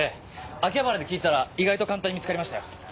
秋葉原で訊いたら意外と簡単に見つかりましたよ。